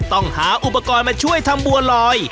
ต้องหาอุปกรณ์มาช่วยทำบัวลอย